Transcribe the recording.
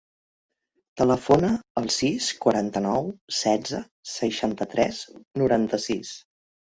Telefona al sis, quaranta-nou, setze, seixanta-tres, noranta-sis.